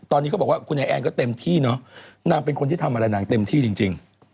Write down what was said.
ตอนนี้เขาบอกว่าคุณไอแอนก็เต็มที่เนอะนางเป็นคนที่ทำอะไรนางเต็มที่จริง